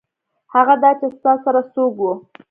هغه دا چې ستا سره څوک وو.